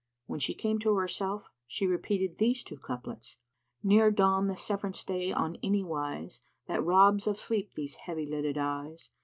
When she came to herself, she repeated these two couplets, "Ne'er dawn the severance day on any wise * That robs of sleep these heavy lidded eyes.